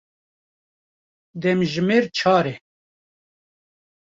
Demjimêr çar e.